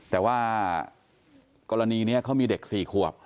แต่ว่ากรณีนี้เขามีเด็ก๔ขวบ